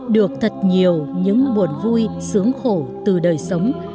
được thật nhiều những buồn vui sướng khổ từ đời sống